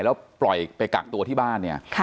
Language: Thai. แล้วปล่อยไปกักตัวที่บ้าน